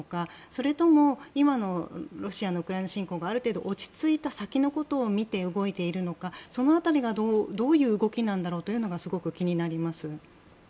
それとも今のロシアのウクライナ侵攻がある程度落ち着いた先のことを見て動いているのかその辺りがどういう動きなんだろうというのがすごく気になります。